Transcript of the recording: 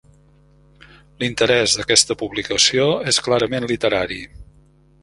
L'interès d'aquesta publicació és clarament literari.